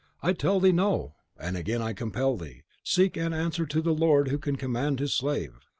"I tell thee, no! And again I compel thee, speak and answer to the lord who can command his slave.